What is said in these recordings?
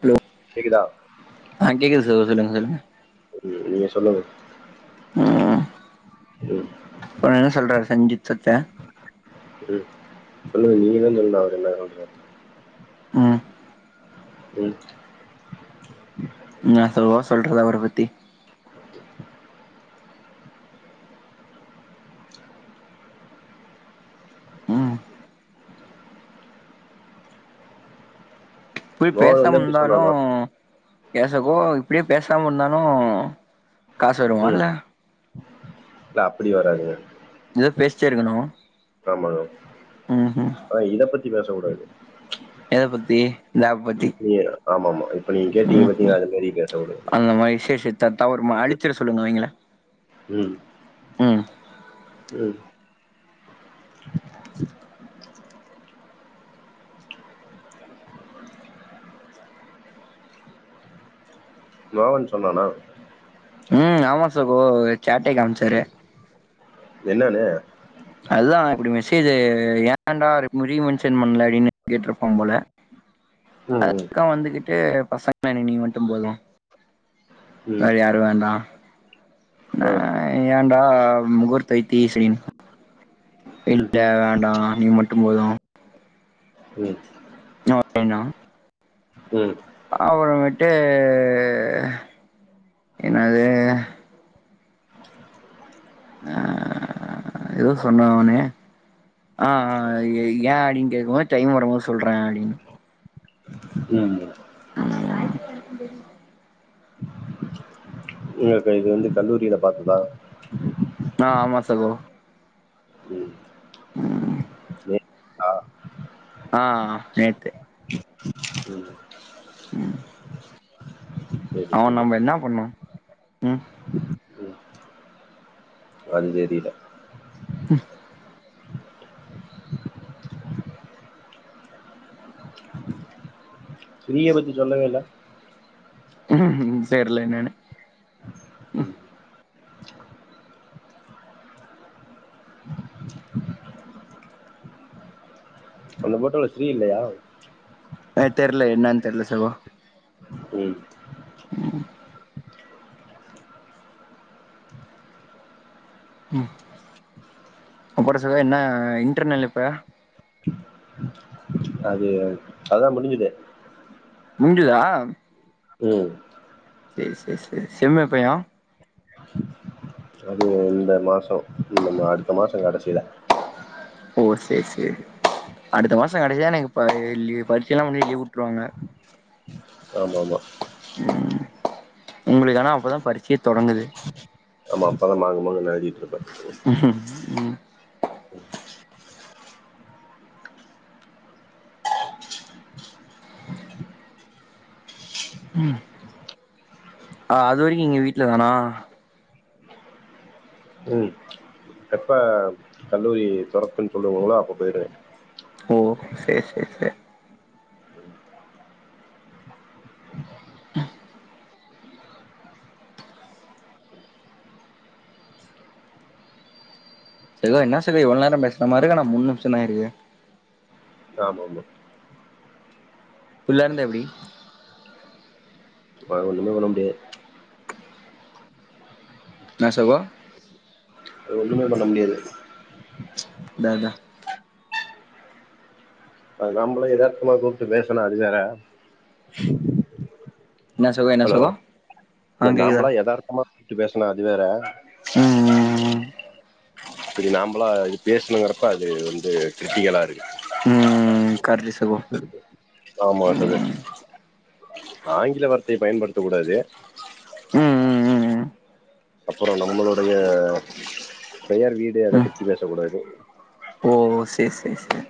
Throw கேக்குதா ஆ கேக்குது சார் சொல்லுங் சொல்லுங்க பரியல நீங்க சொன்னதூ ம் யோ இப்ப என்ன சொல்றாரு சஞ்சித் சத்து ம் சொல்லுங்க நீங்கதா சொல்னு அவர் என்ன சொல்றாருன் ம் ம் உண்மையா சொல்லவா சொல்றத அவர பத்தி ம் போய் மோகன் வந்து பேசாம அப்டி இருந்தாலு சொன்னானா பேசஹோ இப்டியே பேசாம இருந்தாலும் காசு வருமா ம் இல்ல இல்ல அப்டி வராது ஏதோ பேசிட்டே இருக்கணு ஆமா ரோ ம் ம் ஆனா இத பத்தி பேச கூடாது எத பத்தி இந்த அப் பத்தி இப்ப நீ ஆமா ஆமா இப்ப நீங்க கேட்டீங்க ம் ம் பாத்தீங்ளா அது மாரி பேசகூடாது அந்த மாரி விஷேசத்த தவறுமா அழிச்சுற சொல்லுங்களே நீங்களே ம் ம் மோகன் சொன்னானா ம் ஆமா சகோ சட்டே காம்ச்சாரு என்னனு அதா இப்டி மெசேஜு ஏன்டா ரீ மென்ஷன் பண்ல அப்டின் கேட்ருப்பாம் போல [unintelligible] அதுதா வந்துகிட்டு பசங்க வேணா நீ மட்டும் போது வேற யாரு வேண்டா ஓ நா ஏன்டா முகூர்த்த வைத்திஸ்வரின் ஆ [unintelligible] இல்ல வேண்டா நீ மட்டும் போது ம் இன்னோ நைனா ம் அப்றமேட்டு என்னது [unintelligible] அ எதோ சொன்னானே ஆ ஆ ய் ஏ அப்டின் கேக்கும்போது டைம் வரும்போது சொல்றே அப்டின் ம் ஆமா இன்னொருத்த இது வந்து கல்லூரியில பாத்துதா ஆ ஆமா சகோ ம் ம், வே ஆ நேத்து ம் ம் சரி அவன் சரி நம்ம என்ன பண்ணோ ம் அந் தெரியல ம் ஃப்ரீய பத்தி சொல்லவே இல்ல ம் ஹூம் ஹூம் தெர்ல என்னனு ம் அந்த போட்டோல ஸ்ரீ இல்லையா அது தெரில என்னான்னு தெரில சகோ ம் ம் ம் அப்புற சகோ என்ன இன்டர்னல் எப்ப அது அதுதா முடிஞ்சுது முடிஞ்சுதா ம் சேரி சேரி சேரி செம் எப்பயா அது இந்த மாசோ இம்ம அடுத்த மாசோ கடைசியில ஓ சேரி சேரி அடுத்த மாசோ கடைசியா எனக்கு லீ பரீட்ச எல்லா முடிச்சி லீவ் விட்ருவாங்க ஆமா ஆமா ம் உங்களுக்கு ஆனா அப்போதா பரீட்சையே தொடங்குது ஆமா அப்ப தா மாங்கு மாங்கு எழுதிட்டு இருப்பே ம் ம் [unintelligible] ம் ஆ அதுவரைக்கு நீங்க வீட்ல தானா ம் எப்ப கல்லூரி தெரப்பு சொல்லுவோங்களோ அப்ப போயிடுவே. ஓ சேர் சேர் சேர் உஹ [inaudible] சகோ எனா சகோ இவ்ளோ நேரம் பேசின மாரி இருக்கு ஆனா மூண் நிம்ஷந்தாயிருக்கு ஆமா ஆமா குள்ளயாருந்தா எப்டி அது ஒண்ணுமே பண்ண முடியாது எனா சகோ அது ஒண்ணுமே பண்ண முடியாது அதா அதா நம்மள எதார்த்தமா கூப்ட்டு பேசனா அது வேற என்ன சகோ என்ன ஹலோ சகோ ஆ இல்ல கேக்குதா நாம்பளா யதார்த்தமா கூட்டு பேசுனா அது வேற ம் ம் இப்டி நாம்பளா இது பேசணுங்கிறப்ப அது வந்து கிரிட்டிகலா இருக்கு ம் ம் கரெக்ட்டு சகோ ஆமா சகோ ம் ஆங்கில வார்த்தைய பயன்படுத்தக் கூடாது ம் ம் ம் ம் அப்புறோ நம்மளுடைய பெயர் வீடு எதை ம் பத்தி பேசக் கூடாது ஓ சேரி சேரி சேரி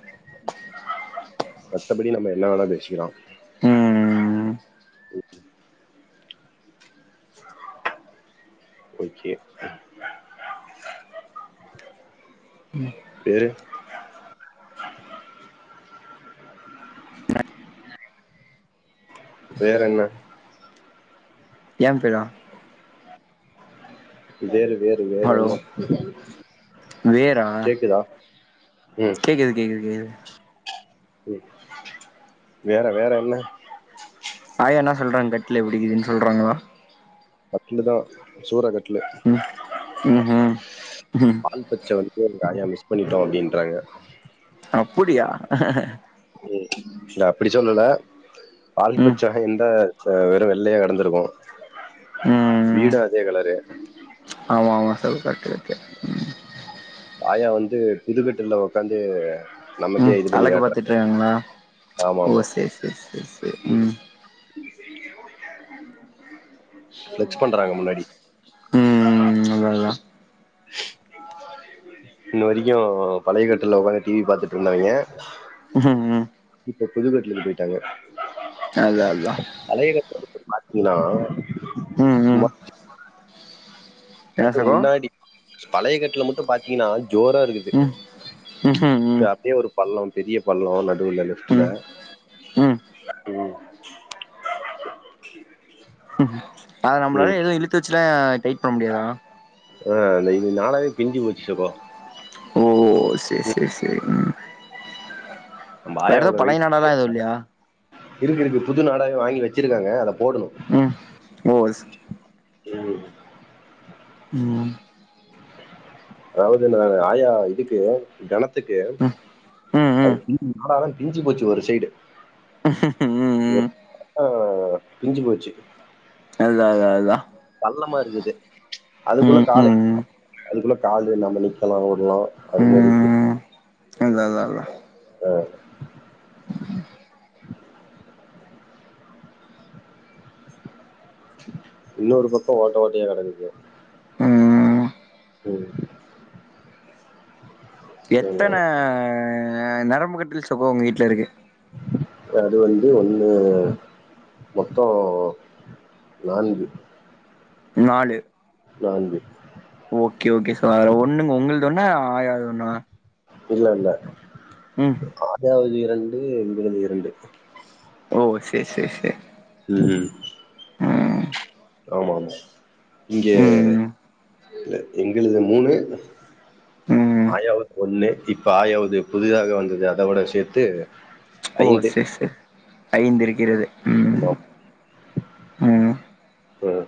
மத்தபடி நம்ம எனா வேணா பேசிக்கலா ம் ஓகே வேறு [inaudible] வேற என்ன ஏ பெரா வேறு வேறு வேற என்ன வேறா கேக்குதா ம் கேக்குது கேக்குது கேக்குது ம் வேற வேற என்ன ஆயா என்ன சொல்றாங்க கட்லு எப்டி இக்குதுனு சொல்றாங்களா கட்லு தா சூற கட்லு ம் ம் ம் பால் பச்ச வந்து காயா மிஸ் பண்ணிட்டோ அப்டின்றாங்க அப்புடியா உம் இல்ல அப்படி சொல்லல பால் ம் பச்ச எந்த வெறு வெள்ளையா கெடந்துருக்கு ம் வீடு அதே கலரு மாமா சர் கட்டுருக்கு ஆயா வந்து புதுக்கட்டுல்ல உக்காந்து ம் நமக்கே இது பண்ணி அழகு பாத்துட்டு காட்றாங்க இருக்காங்களா ஆமா ஓ ஆமா சேரி சேரி சேரி சேரி ம் செச் பண்றாங்க முன்னாடி நல்லத்தா [inaudible] இன்னா வரிக்கு பழைய கட்டில்ல உக்காந்து டிவி பாத்துட்ருந்தாங்க உஹம் இப்ப புதுக்கட்டுலுக்கு போய்ட்டாங்க அதா அதா பழைய கட்டுலு [inaudible] பாத்தீனா ம் ம் என்ன கட்டு சகோ முன்னாடி பழைய கட்டுல்ல மட்டு பாத்தீனா ஜோரா இருக்கு ம் ம்ஹும் ம் அப்டியே ஒரு பள்ளம் பெரிய பள்ளொ நடுவுல லெப்ட்ல ம் ம் ம் அத நம்மளால ம் எதுவு இழுத்து வச்சலா டைட் பண்ண முடியாதா ஆ இல்ல இது நாளாவே பிஞ்சு போச்சு சகோ ஓ சரி சரி சரி ம் நம்ம வேற எதா ஆயாவோட பழைய வெயிட் நாடால்லா எதுவு இல்லையா இருக்கு இருக்கு புது நாடாவே வாங்கி வச்சிருக்காங்க அத போடணு ம் ஓ ஐஸி ம் ம் அதாவது நா ஆயாஇதுக்கு கணத்துக்கு ம் ம் அது [inaudible] நாடா பிஞ்சி போச்சி ஒரு சைடு ம் ம் ஆ பிஞ்சு போச்சு அத அத அதா பள்ளமா இருக்குது அதுக்குள்ள ம் கால ம் [inaudible] அதுக்குள்ள காலு இல்லாம நிக்கலா ஓட்லா அது மாரி இருக்கு அத அத அதா ஓ இன்னொரு பக்கோ ஓட்ட ஓட்டையா கெடந்தது ம் ம் சரிங்களா எத்தன நரம்பு கட்டில் சொக்க உங்க வீட்ல இருக்கு அது வந்து ஒண்ணு மொத்தோ நான்கு நாலு நான்கு ஓகே ஓகே சார் ஒண்ணு உங்களுது ஒன்னு ஆயாவதொண்ணா இல்ல இல்ல ம் ஆயாவுது இரண்டு எங்களுது இரண்டு ஓ செரி செரி செரி ம் ம் ஆமாமா இங்க ம் எங்ள்து மூணு ம் ஆயாவுக் ஒண்ணு இப்ப ஆயாவ்து புதிதாக வந்தது அதவட சேத்து ஓ செர் செர் ஐந்திருக்கிறது ஆமா ம் ம்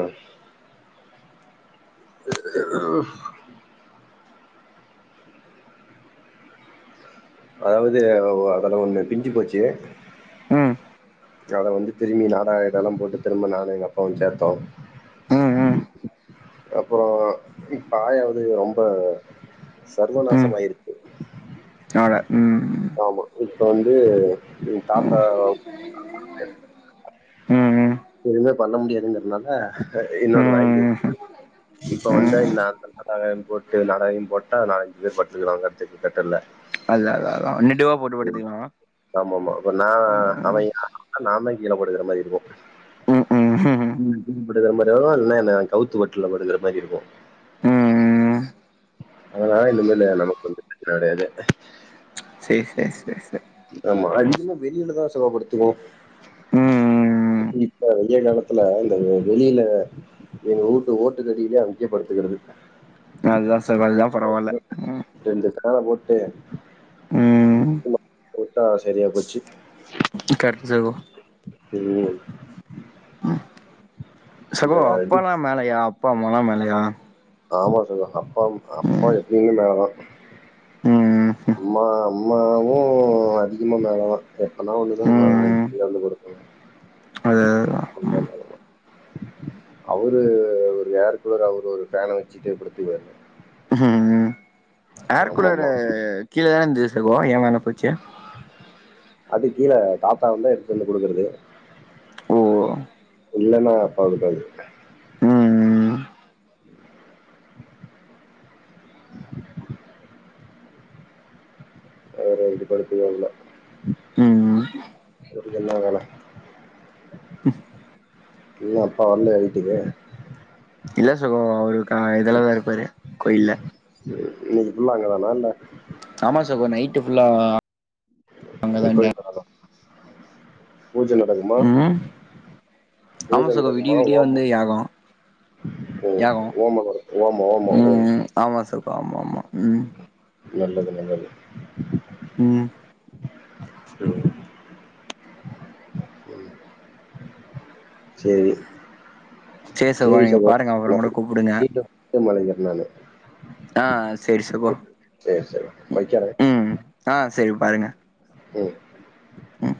ம் [inaudible] அதாவது அதல ஒண்ணு பிஞ்சி போச்சு ம் அத வந்து திரும்பி நாடாகீடால்லா போட்டு திரும்ப நானு எங்க அப்பாவு சேத்தோ [inaudible] ம் ம் அப்புறோ இப்ப ஆயாவ்து ரொம்ப சர்வநாசமாயிருக் நாடா ம் ஆமா இப்ப வந்து என் தாத்தா ம் எதுமே பண்ண முடியாதுங்கிறதுனால ம் இன்னோன்னு வாங்கியாச்சி ம் இப்ப ம் வந்தார் நான் நாடா வாய்ங் போட்டு நாடாவ்யு போட்டா நாலஞ்சு பேர் பத்துக்லா கட்டுல்க்கு பக்கத்ல அதுதா அதா அதா இங்குட்டு ஓ ம் ஆமா ஆமா அப்ப நா அவ ம் ஏன் நா தா கீழ படுக்குற மாரி இருக்கு ம் ம் எடோ இல்னா என்ன கவுத்து கட்ல படுக்ற மாரி இருக்கோ ம் அதா இன்னுமேளு இ நமக்கு வந்து [inaudible] செர் செர் செர் செர் ஆமா அதிகமா வெளில தா சிவா படுத்துவா ம் இப்ப வெய்ய காலத்துல இந்த வெளில எங்க ஊட்டு ஓட்டுக்கடியிலே அங்கே படுத்துக்கடக்கற் அதுதா சகோ இல்ல பரவால்ல ம் ரெண்டு ஃபேன்ன போட்டு ம் குத்தா சரியா போச்சு இது கரெக்ட் சகோ உண்மை இந்த சகோ இது அப்பால்லா மேலயா அப்பா அம்மாலா மேலயா ஆமா சகோ அப்பாவும் அப்ப எப்பயுமே மேலதா ம் ம் அம்மா அம்மாவு அதிகமா மேல தா எப்பனா ஒண்ணு தா இங்க ம் கீழ வந்து படுப்பாய்ங்க அது அதுதா [unintelligible] அவுரு ஒரு ஏர் கூலரு அவுரு ஒரு ஃபேன வச்சுட்டேப் படுத்திருவாரு ம் ம் ஏர் கூலரு ஆமாமா. கீழ தான இந்துது சகோ ஏன் மேல போச்சு அது கீழ தாத்தா வந்தா எடுத்துந்து குடுக்குறது ஓ இல்லன்னா அப்பாவுக்கு தா இது ம் அவுரு இங்க படுத்துனது இல்ல ம் அவுருக்கென்ன வேல இன்னு அப்பா வர்லயா வீட்டுக்கு இல்ல சகோ அவுரு தா இதல்ல இருப்பாரு கோயில்ல இன்னக்கி ஃபுல்லா அங்க தானா இல்ல ஆமா சகோ நைட்டு ஃபுல்லா அங்கதா இப்பவே டே போனாலும் பூஜ நடக்குமா ம் பூஜ ஆமா சகோ விடிய நடக்குமா விடிய வந்து ஹோமம் யாகோ ம் யாகோ ஓமோம் நடக்கு ஓமோ ஓமோம் ம் ஆமா சகோ ஆமா ஆமா ம் நல்லது நல்லது ம் [unintelligible] செரி சேரி சகோ நீங்க பாருங்க அப்பறம் கூட கூப்பிடுங்க மீண்டும் மீண்டும் அழைக்கிறேன் நானு. ஆ செரி சகோ சரி சரி வைக்கிறேன் ம் ஆ செரி பாருங்க ம் ம்